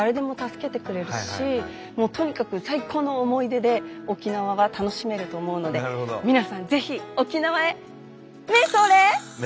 とにかく最高の思い出で沖縄は楽しめると思うので皆さんぜひ沖縄へめんそーれ！